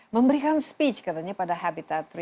memberikan speech katanya pada habitat tiga